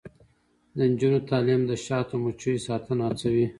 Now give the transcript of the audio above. د نجونو تعلیم د شاتو مچیو ساتنه هڅوي.